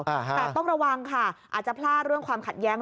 แต่ต้องระวังค่ะอาจจะพลาดเรื่องความขัดแย้ง